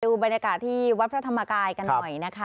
บรรยากาศที่วัดพระธรรมกายกันหน่อยนะคะ